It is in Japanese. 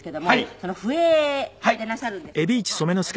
その笛でなさるんですって？